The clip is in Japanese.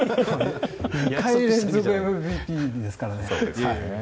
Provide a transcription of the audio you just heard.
２回連続ＭＶＰですからね。